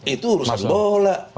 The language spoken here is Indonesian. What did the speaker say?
itu urusan bola